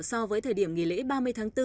so với thời điểm nghỉ lễ ba mươi tháng bốn